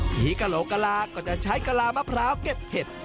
กระโหลกะลาก็จะใช้กะลามะพร้าวเก็บเห็ด